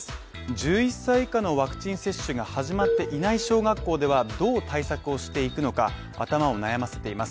１１歳以下のワクチン接種が始まっていない小学校ではどう対策をしていくのか頭を悩ませています。